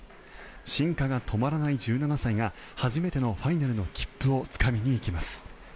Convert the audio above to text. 進化が止まらない１７歳が初めてのファイナルの切符をつかみにいきます。